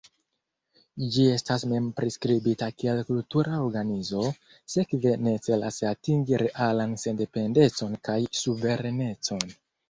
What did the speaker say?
Ĝi estas mem-priskribita kiel kultura organizo, sekve ne celas atingi realan sendependecon kaj suverenecon.